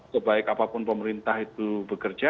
sebaik apapun pemerintah itu bekerja